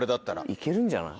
いけるんじゃない？